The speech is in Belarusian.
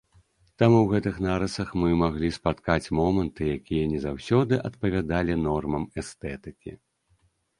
Таму ў гэтых нарысах мы маглі спаткаць моманты, якія не заўсёды адпавядалі нормам эстэтыкі.